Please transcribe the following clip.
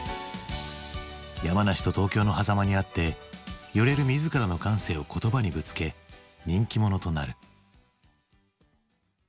山梨と東京のはざまにあって揺れる自らの感性を言葉にぶつけ人気者となる。